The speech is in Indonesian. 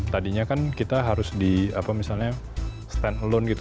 tadinya kan kita harus di apa misalnya stand alone gitu